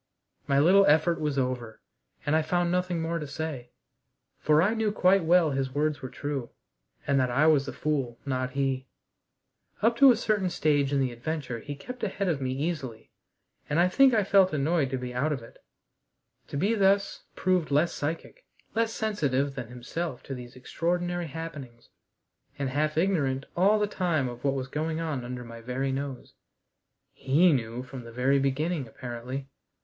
My little effort was over, and I found nothing more to say, for I knew quite well his words were true, and that I was the fool, not he. Up to a certain stage in the adventure he kept ahead of me easily, and I think I felt annoyed to be out of it, to be thus proved less psychic, less sensitive than himself to these extraordinary happenings, and half ignorant all the time of what was going on under my very nose. He knew from the very beginning, apparently.